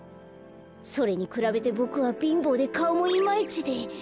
それにくらべてボクはびんぼうでかおもイマイチで。